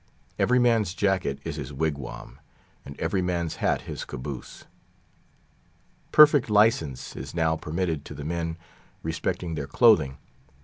Every man's jacket is his wigwam, and every man's hat his caboose. Perfect license is now permitted to the men respecting their clothing.